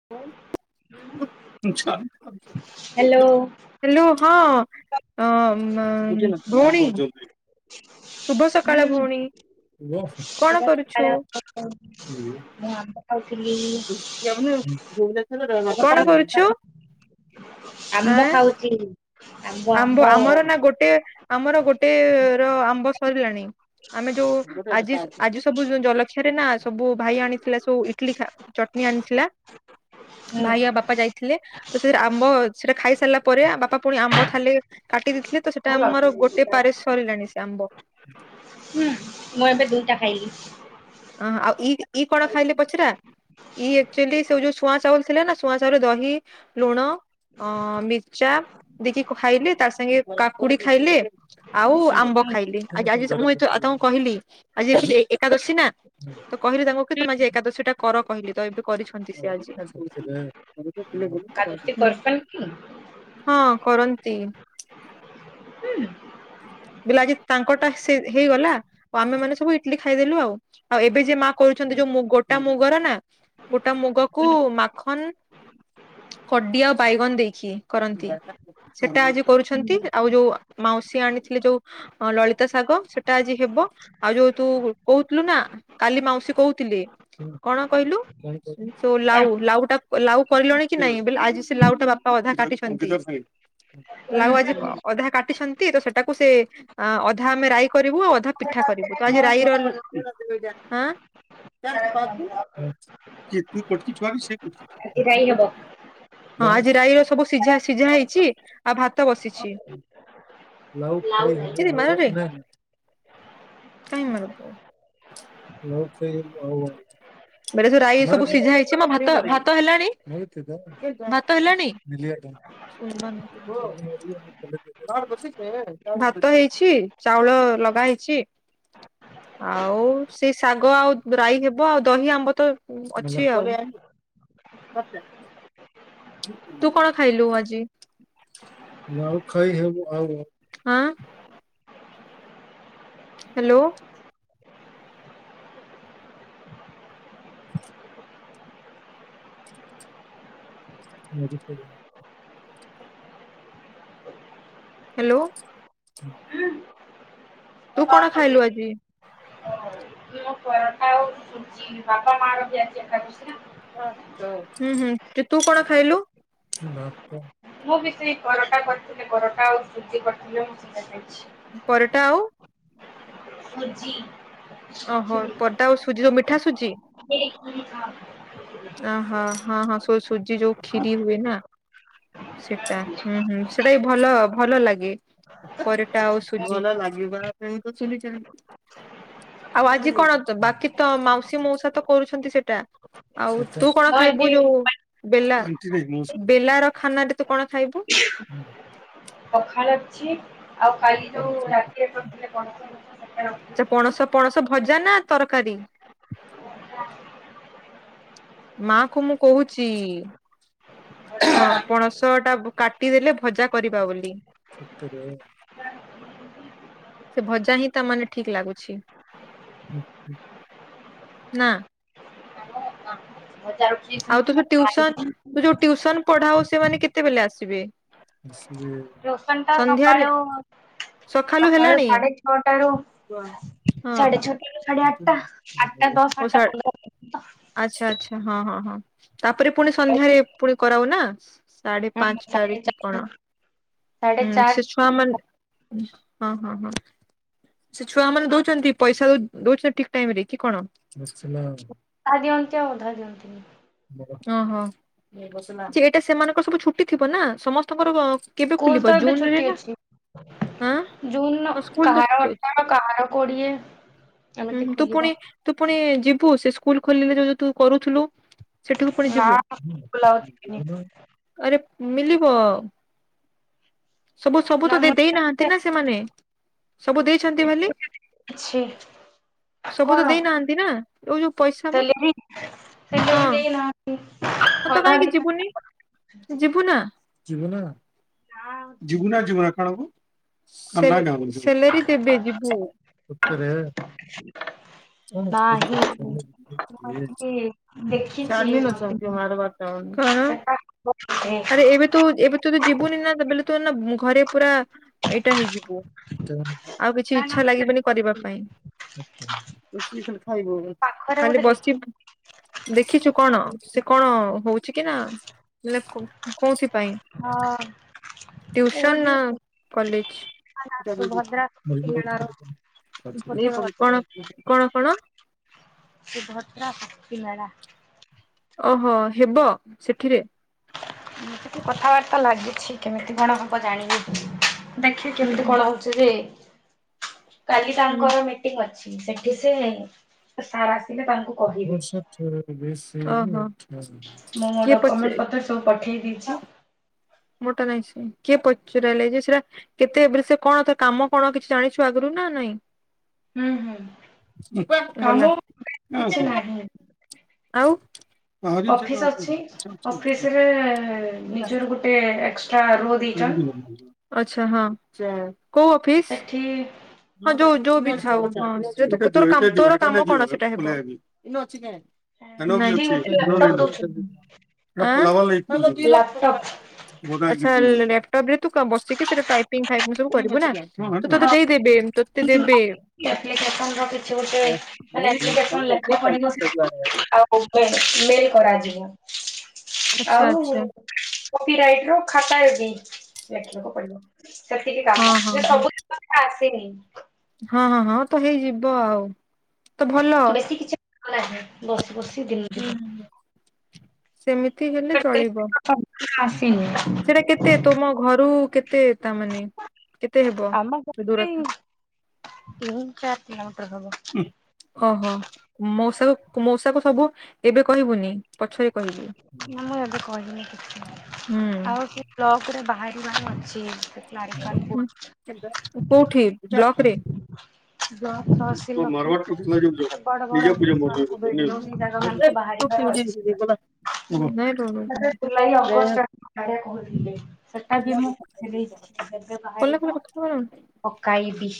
[inaudible] [unintelligible] Hello ହଁ। ଅଁ ମା ବଉଣୀ? [inaudible] ହୁଁ [unintelligible] [inaudible] କଣ କରୁଛୁ [unintelligible] ଖାଉଥିଲି। [unintelligible] କଣ କରୁଛୁ? ଆମ୍ବ ଆଁ ଖାଉଛି। ଆମ୍ବ ଆମ୍ଭ ଆମ୍ବ ଆମର ନା ଗୋଟିଏ ଆମର ଗୋଟିଏ ର ଆମ୍ବ ସରିଲାଣି। ଆମେ ଯୋଉ ଆଜି ଆଜି ସବୁ ଜଲଖିଆରେ ନା ସବୁ ଭାଇ ଆଣିଥିଲା ସବୁ ଇଟିଲି ଖା ଚଟନି ଆଣିଥିଲା ହୁଁ ଭାଇ ଆ ବାପା ଯାଇଥିଲେ, ତ ସେ ଆମ୍ବ ସେଟା ଖାଇସାରିଲା ପରେ ବାପା ପୁଣି ଆମ୍ବ ଖାଲେ କାଟି ଦେଇଥିଲେ ତ ସେଟା ଆମର ହୁଁ ଗୋଟେ ପାରେ ସରିଲାଣି, ସେ ଆମ୍ବ। ହୁଁ, ମୁଁ ଏବେ ଦୁଇଟା ଖାଇଲି। ଅଁ, ଆଉ ଇ ଇ କଣ ଖାଇଲେ ପଚରା? ଇଏ ଏକଚୁଆଲି ସେ ଯୋଉ ଛୁଆଁ ଚାଉଲ ଥିଲାନା, ଛୁଆଁ ସାଙ୍ଗରେ ଦହି, ଲୁଣ ଅଁ ମିର୍ଚା ଦେଇକି ଖାଇଲେ, ତା ସାଙ୍ଗେ କାକୁଡି ଖାଇଲେ ଆଉ ଆମ୍ବ ହୁଁ ଖାଇଲେ, ଆଜି ଆଜି ମୁଁ ଏଠୁ ଆଦାଙ୍କୁ କହିଲି ଆଜି ଏକାଦଶୀ ନା ତ କହିଲି ତାଙ୍କୁ କି ତମେ ଆଜି ଏକାଦଶୀ ଟା କର କହିଲି। ତ ଏବେ କରିଛନ୍ତି ସେ ଆଜି ଠାରୁ। କାଜୁଟି କରସନ୍ [unintelligible] କି ହଁ କରନ୍ତି। ବିଲ ଆଜି ତାଙ୍କଟା ସେ ହେଇଗଲା, ଆଉ ଆମେ ମାନେ ସବୁ ଇଟିଲିି ଖାଇଦେଲୁ ଆଉ। ଆଉ ଏବେ ଯେ ମା କରୁଚନ୍ତି ଯୋଉ ମୁ ଗୋଟା ମୁଗରେ ନା ଗୋଟା ମୁଗକୁ ମାଖନ କଟି ଆଉ ବାଇଗଣ ଦେଇକି କରନ୍ତି। ସେଟା ଆଜି କରୁଛନ୍ତି। ଆଉ ଯୋଉ ମାଉସୀ ଆଣି ଥିଲେ ଯୋଉ ଲଳିତା ଶାଗ ସେଟା ଆଜି ହେବ, ଆଉ ଯୋଉ ତୁ କହୁଥୁଲୁ ନା କାଲି ମାଉସୀ କହୁଥିଲେ, କଣ କହିଲୁ? ତୋ ଲାଉ, ଆଜି ଲାଉ ଟା ଲାଉ କରିଲଣି କି ନାଇଁ, ବି ଆଜି ସେ ଲାଉ ଟା ବାପା ଅଧା କାଟିଛନ୍ତି। [inaudible] ଲାଉ ଆଜି ଅଧା କାଟିଛନ୍ତି, ତ ସେଟାକୁ ସେ ଅଧା ଆମେ ରାଇ କରିବୁ, ଆଉ ଅଧା ପିଠା କରିବୁ ତ ଆଜି ରାଇର [unintelligible] ଆଁ [inaudible] [unintelligible] [unintelligible] ଖାଇ ହବ। [unintelligible] ହଁ, ଆଜି ରାଇର ସବୁ ସିଝା, ସିଝା ହେଇଚି ଆଉ ଭାତ ବସିଛି। [unintelligible] ଛି ମାରେନି, କାଇଁ ମାରୁଚୁ? ଲାଉ ଖାଇ ଆଉ ହବନି। ଏଟା ସବୁ ରାଇ ସବୁ ସିଝା ହେଇଛି ମ ଭ ଭାତ ହେଲାଣି। ଭାତ ହେଲାଣି [unintelligible] [unintelligible] ଭାତ ହେଇଛି ଚାଉଳ ଲଗା ହେଇଛି। ଆଉ ସେ ଶାଗ ଆଉ ରାଇ ହେବ, ଦହି ଆମ୍ବ ତ ଅଛି ଆଉ [unintelligible] ତୁ କଣ ଖାଇଲୁ ଆଜି [unintelligible] ଆଁ? ହ୍ୟାଲୋ। [unintelligible] ହ୍ୟାଲୋ। ତୁ କଣ ଖାଇଲୁ ଆଜି? ମୁଁ ପରଟା ଆଉ ସୁଜି ବାପା ମା ର ବି ଆଜି ଏକାଦଶୀ ନା। ହୁଁ ହୁଁ ତୁ କଣ ଖାଇଲୁ? ମୁଁ ବି ସେଇ ପରଟା କରିଥିଲେ ପରଟା ଆଉ ସୁଜିି କରିଥିଲେ ମୁଁ ଖାଇଦେଇଛି। ପରଟା ଆଉ? ସୁଜି। ଓହୋ ହଁ ପରଟା ଆଉ ସୁଜି ଯୋଉ ମିଠା ସୁଜି? [unintelligible] ଅହୋ। ହଁ ହଁ ସୁଜି ଯୋଉଁ ଖିରୀ ହୁଏ ନା? ସେଟା ହୁଁ ହୁଁ ସେଟା ବି ଭଲ ଭଲ ଲାଗେ। ପରଟା ଆଉ ସୁଜି। ଭଲ ଲାଗିବା ପାଇଁ [unintelligible] ଆଉ ଆଜି କଣ ବାକି ତ ମାଉସୀ ମଉସା ତ କରୁଛନ୍ତି ସେଟା। ଆଉ ତୁ କଣ ଆଜି ଖାଇବୁ ଯୋଉ ବେଲା ବେଲା ର ଖାନାରେ ତୁ କଣ ଖାଇବୁ? ପଖାଳ ଅଛି। ଆଉ କାଲି ଯୋଉଁ ରାତିରେ କରିଥିଲେ ପଣସ କଠା [unintelligible] [unintelligible] ପଣସ ପଣସ ଭଜା ନା ତରକାରୀ? ମା କୁ ମୁଁ କହୁଚି ଭଜା ହଁ ଡାଲି ପଣସ ଟା କାଟିଦେଲେ ଭଜା କରିବା ବୋଲି। ସତରେ ବା। [unintelligible] ସେ ଭଜା ହିଁ ତା ମାନେ ଠିକ ଲାଗୁଛି। ନାଁ। ଭଜା ଆଉ [unintelligible] ପଢାହଉଚି ସେ ମାନେ କେତେବେଲେ ଆସିବେ? [unintelligible] ଟିଉସନ୍ ଟା ସନ୍ଧ୍ୟାରେ ସକାଳୁ ସକାଳୁ ସାଢେ ଛଅଟାରୁ ହଁ ସାଢେ ଛଅଟାରୁ ସାଢେ ଆଠଟା। ଆଠଟା ଦଶ ଓଷା ଆଠଟା ପନ୍ଦର ପ। [unintelligible] ଆଚ୍ଛା ଆଚ୍ଛା ହଁ ହଁ ହଁ ତାପରେ ପୁଣି ସନ୍ଧ୍ୟାରେ ଆଉ ପୁଣି କରାଓ ନା? ସାଢେ ସାଢେ ପାଞ୍ଚଟାରେ କି ଚାରିଟା କଣ? ସାଢେ ହୁଁ ଚାରିଟା ସେ ଛୁଆମାନେ ହଁ ହଁ ହଁ। ସେ ଛୁଆ ମାନେ ଦଉଛନ୍ତି ପଇସା ଦଉ ଦଉଛନ୍ତି ଠିକ ଟାଇମ ରେ କି କଣ? ଅଧା ଦିଅନ୍ତି ଆଉ ଅଧା ଦିଅନ୍ତିନି। ଓହୋ ଯେଟା ସେମାନଙ୍କର ସବୁ ଛୁଟି ଥିବ ନା ସମସ୍ତଙ୍କର କେବେ ସ୍କୁଲ ଖୋଲିବ ତ ଏବେ ଜୁନରେ ଛୁଟି ନା ଅଛି। ହଁ ଜୁନ ସ୍କୁଲ ତ ଛୁଟି କାହାର ଅଛି ଅଠର କାହାର କୋଡିଏ ହୁଁ ଏମିତି ତୁ ପୁଣି ଖୋଲିବ। ତୁ ପୁଣି ଯିବୁ ସେ ସ୍କୁଲ ଖୋଲିଲେ ଜୋଉ ତୁ କରୁଥିଲୁ ସେଠିକୁ ପୁଣି ନା ଯିବୁ? ବ୍ଲାଉଜ ଶିଖିନି ଆରେ ମିଲିବ। ସବୁ ସବୁ ନା ତ ମୁଁ ଦେଇନାହାନ୍ତି ନା ସେମାନେ ସବୁ ଦେଇଛନ୍ତି ବେଲି କିଛି ସବୁ ତ ଦେଇନାହାନ୍ତି ନା ତୋ ଯୋଉ ପଇସା ମ ସେଲାରୀ ସେଟା ହଁ ବି ଦେଇନାହାନ୍ତି ଅଧା ଦେଇଛନ୍ତି। ତୁ ଯିବୁ ନା? ଯିବୁ ନା ଯିବୁ ନା ଖେଳକୁ? ସେ-ସେଲରି ଦେବେ ଜିିବୁ। କଣ କରିବ ନାହିଁ ମୁଁ ସାଲେରି ଆସିକି ଦେଖିଛି ମତେ ନେଇକି? [unintelligible] କଣ ସେଟା ଆରେ ଏବେ ତୁ ଏବେ ତୁ ଯଦି ଯିବୁନି ନା ତାବେଲେ ତୁ ଏନା ଉଁ ଘରେ ପୁରା ଏକା ହେଇଯିବୁ। ଆଉ କିଛି ନା ନା ଇଚ୍ଛା ଲାଗିବନି କରିବା ପାଇଁ। ପାଖରେ ଖାଲି ଗୋଟେ ବସି ଦେଖିଚୁ କଣ ସେ ଦେଖିଛି କଣ ହୋଉଚି କି ନା ହେଲେ କୋ-କୋଉଥି ପାଇଁ? ହ। ଟିଉସନ୍ ନା କଲେଜ? ସୁଭଦ୍ରା [unintelligible] ଶକ୍ତି ମେଳାର କଣ ଗୋଟେ କଣ କଣ? ସୁଭଦ୍ରା ଶକ୍ତି ମେଳା। ଓହୋ ହେବ ସେଥିରେ? ସେଠି କଥାବାର୍ତ୍ତା ଲାଗିଛି କେମିତି କଣ ହବ ଜାଣି [unintelligible] ଦେଖେ ଉଁ କେମିତି ହୁଁ। କଣ ହୋଉ [unintelligible] କାଲି ହୁଁ। ତାଙ୍କର ମି ଟିଙ୍ଗ ଅଛି ସେଠି ସେ ସାର୍ ଆସିଲେ ତାଙ୍କୁ କହିବେ [unintelligible] ଓହୋ କିଏ ମୁଁ ମୋ ଡକ୍ୟୁମେଣ୍ଟ ପଚେ [unintelligible] ପଠେଇ ଦେଇଛି। [unintelligible] କେତେ ଏବେର ସେ କଣ ତା କାମ କଣ କିଛି ଜାଣିଛୁ ଆଗରୁ ନା ନାଇଁ? ହୁଁ ହୁଁ ଗଲା କାମ [inaudible] କିଛି ନାହିଁ। ଆଉ ଅଫିସ ଅଛି ଅଫିସରେ ନିଜର ଗୋ ଟେ ଏକ୍ସଟ୍ରା ରୋ ଦେଇଛନ୍ ଆଛା ହଁ କୋଉ ଅଫିସ? [unintelligible] ହଁ ଯୋଉ ଯୋଉ ବି ଥାଉ କଣ ସେ ତୋର କାମ କଣ ସେଟା ହେବ? ଇନୋ ଅଛିି କେଁ? [unintelligible] [unintelligible] ସେଠି ଗୋଟେ ଲାପଟପ୍ ଦଉଛନ୍ତି ଲାପଟପ୍ ଆଚ୍ଛା ଲାପଟପରେ ତୁ କ ବସିକି ସେଟା ଟାଇପିଙ୍ଗ୍ ଫାଇପିଙ୍ଗ୍ ସବୁ କରିବୁ ନା‌। ତୁ ତତେ ହଁ ଦେଇ ଦେବେ ତତେ ଦେବେ। ଆପ୍ଲିକେସନ ର କିଛି ଗୋଟେ ମାନେ [unintelligible] ମୋବାଇଲରେ ମେଲ୍ କରାଯିବ ଆଚ୍ଛା ଆଉ ଆଚ୍ଛା କପିରାଇଟର ଖାତାରେ ବି ଲେଖିବାକୁ ପଡିବ। ସେତିକି ହଁ କାମ ହଁ ଯେ ହଁ ସବୁ [unintelligible] ଆସିନି। ହଁ ହଁ ହଁ ତ ହେଇଯିବ ଆଉ। ତ ଭଲ। ବେଶୀ କିଛି କାମ ନାହିଁ। ବସି ବସି ଦିନ ହୁଁ ଯିବ। ହୁଁ। ହୁଁ ସେମିତି ହେଲେ ଚଳିବ। ଆସିନି ସେଟା କେ ତେ ତମ ଘରୁ କେତେ ତା ମାନେ କେତେ ହେବ ଦୂରତା? ତିନ ଚାର୍ କିଲୋମିଟର ହବ। ଓହୋ ମଉସାକୁ ମଉସାକୁ ସବୁ ଏବେ କହିବୁନି। ପଛରେ କହିବୁ ନା ମୁଁ ଏବେ କହିନି କିଛି ହୁଁ। ଆଉ ବ୍ଲକରେ ବାହାରିବାର ଅଛି। କ୍ଲାରିଫାଇ କୋଉଠି ବ୍ଲକରେ? ବ୍ଲକ ତହସିଲ ଅଫିସ ବଡ ବଡ ଅଫିସ ମାନଙ୍କୁ ବିଡିଓ ଏ ଜାଗା ମାନଙ୍କୁ ବାହାରିବାର ଅଛି। [unintelligible] ବୁଗୁଡ଼ା ମତେ ଜୁଲାଇ ଅଗଷ୍ଟ କହୁଥିଲେ ସେଟା ବି ମୁଁ ପଠେଇ ଦେଇଛି। କଲେ କ [inaudible] ପକାଇବି।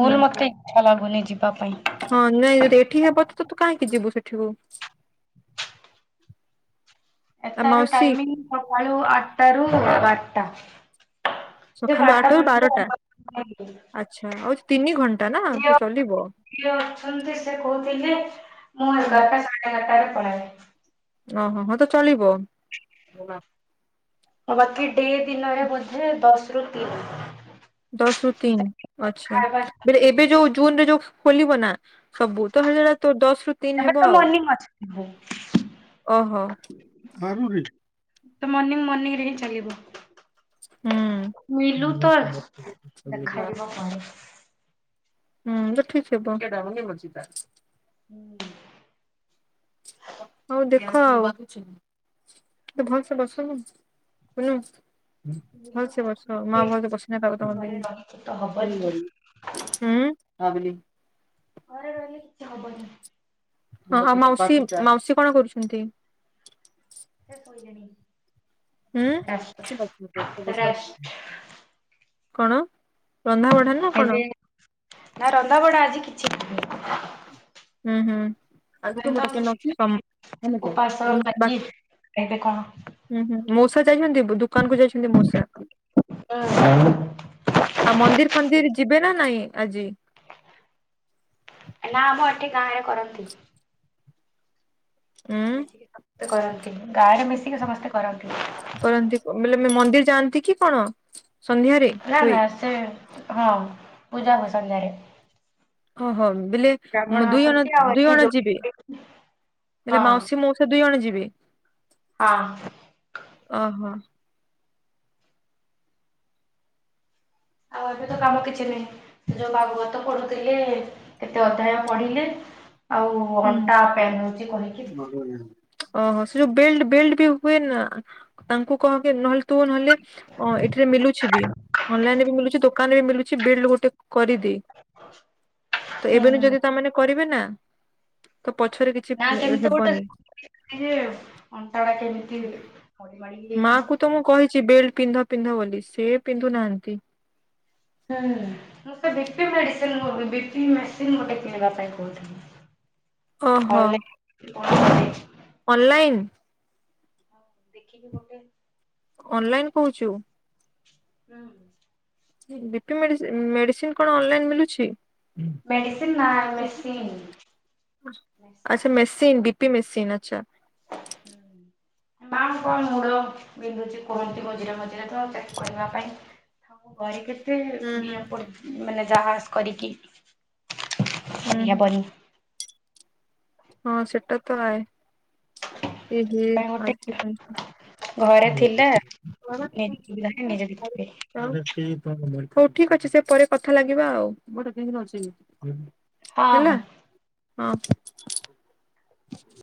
ହୁଁ ହୁଁ। ମତେ ଇଛା ଲାଗୁନି ଯିବା ପାଇଁ ହଁ ନାଇଁ ଯଦି ଏଠି ହବ ତୁ କାହିଁକି ଯିବୁ ସେଠିକୁ? [inaudible] ଏଟାର ମାଉସୀ ଟାଇମିଂ ସକାଳୁ ଆଠଟାରୁ ବାରଟା ସକାଳୁ ଆଠରୁ ବାରଟା? ହଜ [inaudible] ଆଚ୍ଛା ଆଉ ତିନି ଘଣ୍ଟା ନା ତ ଚଲିବ। ଇଏ ଅଛନ୍ତି ସେ କହୁଥିଲେ ମୁଁ ଏ ହୁଁ ଦକାର ସାାତାରେ ପଳଏ ଓହୋ ହ ତ ଚଳିବ। ଆଉ ବାକି ଡେ ଦିନରେ ବୋଧେ ଦଶ ରୁ ତିନି। ଦଶ ରୁ ତିନି ଆଚ୍ଛା ଖାଇବା ବ ଏବେ ଯୋଉ ଜୁନରେ ଯୋଉ ଖୋଲିବ ନା ସବୁ ତ ସେଟା ଦଶ ରୁ ତିନି ହେବ ଆଉ ହଁ। ଓହୋ। ବାରୁରେ ତ ମର୍ଣ୍ଣିଂ ମର୍ଣ୍ଣିିଂ ରେ ହିଁ ଚାଲିବ ହୁଁ ମିଲୁ ତ ଦେଖାଯିବ କଣ? ହୁଁ [inaudible] ହୁଁ। ହଉ ଦେଖ ଆଉ ତ ଭଲସ ବସନୁ କୁନୁ ଭଲସ ବସ ମା ଗୋଟେ ଭଲସ [inaudible] ତମ ଘରେ ରହିକି ତ ଦେଇ ହବନି ହୁଁ [inaudible] ଘରେ ରହିଲେ କିଛି ହବନି ହଁ ଆଉ ମାଉସୀ ମାଉସୀ କଣ କରୁଛନ୍ତି? ସେ ଶୋଇଲେଣି। ରେଷ୍ଟ ହୁଁ ରେଷ୍ଟ କଣ ରନ୍ଧା ବଢା ନା କଣ? ଏବେ ନା ରନ୍ଧା ବଢା ଆଜି କିଛି ନାହିଁ ହୁଁ ହୁଁ। ଆଗ ତୁ ତ ଗୋଟେ କେ ନ ଅଛି ହେକ ଉପାସ [inaudible] ଲାଗି ଏବେ କଣ ହୁଁ ହୁଁ ମଉସା ଯାଇଛନ୍ତି ଦୋକାନ କୁ ଯାଇଛନ୍ତି ମଉସା ଆଉ ମନ୍ଦିର ଫନ୍ଦିର ଯିବେ ନା ନାଇଁ ଆଜି? ନା ଆମ ଏଠି ଗାଁ ରେ କରନ୍ତି। ଉଁ ମିଶିକି ସମସ୍ତେ କରନ୍ତି ଗାଁରେ ମିଶିକି ସମସ୍ତେ କରନ୍ତି କରନ୍ତି ବଲେ ମନ୍ଦିର ଯାଆନ୍ତି କି କଣ ସନ୍ଧ୍ୟାରେ ନା ହୁଏ ନା ସେ ହଁ ପୂଜା ହବ ସନ୍ଧ୍ୟାରେ ଓହୋ ବୋଲେ ବ୍ରାହ୍ମଣ ଦୁଇ ଜଣ ଆସନ୍ତି ଆଉ ଦୁଇ ଏଠି ଜଣ ଯିବେ ଯୋଉ ବଲେ ହଁ ମାଉସୀ ମାଉସା ସେ ଦୁଇ ଜଣ ଯିବେ ହଁ। ଓହୋ। ଆଉ ଏବେ ତ କାମ କିଛି ନାହିଁ ଯୋଉ ଭାଗବତ ପଢୁଥିଲେ କେତେ ଅଧ୍ୟାୟ ପଢ଼ିଲେ? ଆଉ ହୁଁ। ଅଣ୍ଟା ପେନ୍ ହଉଛି କହିକି ଓହୋ ସେ ଯୋଉ ବେଲ୍ଟ ବେଲ୍ଟ ବି ହୁଏନା ତାଙ୍କୁ କହକି ନହେଲେ ତୁ ନହେଲେ ଅଁ ଏଠିରେ ମଲୁଛି ବି, ଅନଲାଇନରେ ବି ମିଲୁଛି ଦୋକାନରେ ବି ମିଲୁଛି ବିଲ୍ ଗୋଟେ କରିଦେ। ତ ହୁଁ ଏବେନୁ ଯଦି ତମେମାନେ କରିବେ ନା ତ ପଛରେ କି ନା ସେମିତି ଗୋଟେ [unintelligible] ଅଣ୍ଟା ଗୁଡା କେମିତି ମୋଡ଼ି ମାଡ଼ିକି ମାଆକୁ ତ ମୁଁ କହିଛି ବେଲ୍ଟ ପିନ୍ଧ ପିନ୍ଧ ବୋଲି ସେ ପିନ୍ଧୁ ନାହାନ୍ତି। ହୁଁ ମତେ ବିପି ମେଡ଼ିସିନ [unintelligible] ବିପି ମେଡ଼ିସିନ ମତେ କିଣିବା ପାଇଁ କହୁଥିଲି। [unintelligible] ଅନଲାଇନ୍? ଦେଖିକି ଗୋଟେ ଅନଲାଇନ କହୁଛୁ [unintelligible] ହୁଁ। ବିପି ମେଡ଼ିସିନ, ମେଡ଼ିସିନ କଣ ଅନଲାଇନ୍ ମିଳୁଛି? ମେଡ଼ିସିନ୍ ନା ମେସିନ୍? ମେସିନ୍ ଆଚ୍ଛା ମେସିନ୍ ବିପି ମେସିନ୍ ଆଚ୍ଛା। ମା କଣ ମୂଳ ବିନ୍ଧୁଛି କୁହନ୍ତି ମଝିରେ ମ ଏରାକ ତାକୁ କହିବା ପାଇଁ ଆମ ଘରେ କେତେ ହୁଁ ହୁଁ। ନିଆଁ ପଡୁଛି। ମାନେ ଜାହାଜ କରିକି ହୁଁ ହୁଁ କରିହବନି। ହଁ ସେଟା ତ ରାଏ, ଏହେ ସେଥିପାଇଁ ଗୋଟେ ଆଜି ପାଇଁକା। ଘରେ ଥିଲା ନିଜ ସୁବିଧା ହିଁ ନିଜେ ଦେଖିବେ। [unintelligible] ହଉ ଠିକ୍ ଅଛି ସେ ପରେ କଥା ଲାଗିବା ଆଉ। [unintelligible] ହଁ ହଁ। ହେଲା, ହଁ।